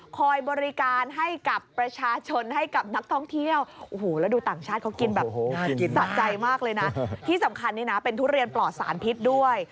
คอยบริการให้กับประชาชนให้กับนักท่องเที่ยว